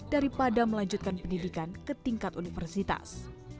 daripada melanjutkan pendidikan ke tingkat universitas